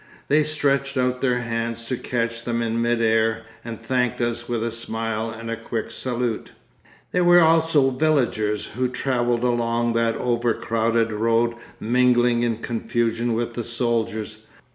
They stretched out their hands to catch them in mid air, and thanked us with a smile and a quick salute. There were also villagers who travelled along that overcrowded road mingling in confusion with the soldiers.